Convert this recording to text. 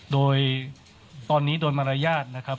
โดยตอนนี้โดยมารยาทนะครับ